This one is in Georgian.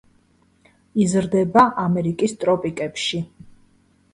იზრდება ამერიკის ტროპიკებში.